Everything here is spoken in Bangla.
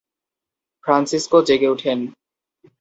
ফ্রান্সিসকো জেগে উঠেন।